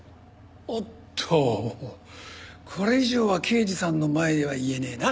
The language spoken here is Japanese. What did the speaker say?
おっとこれ以上は刑事さんの前では言えねえな。